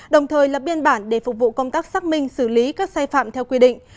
đồng thời lập biên bản để phục vụ công tác xác minh xử lý các sai phạm theo quy định